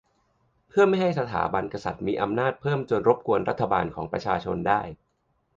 เพื่อไม่ให้สถาบันกษัตริย์มีอำนาจเพิ่มจนรบกวนรัฐบาลของประชาชนได้